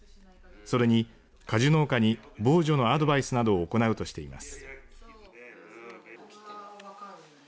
それに果樹農家に防除のアドバイスなどを行うとしています。